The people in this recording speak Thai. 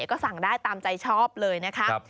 ก็สั่งได้ตามใจชอบเลยนะคะ